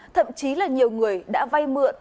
thậm chí là nhiều người đã vay mượn